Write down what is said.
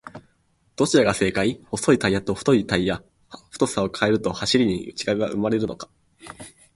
どちらが正解!?細いタイヤと太いタイヤ、太さを変えると走りに違いは生まれるのか？